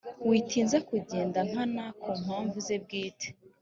witinza kugenda nkana ku mpamvu ze bwite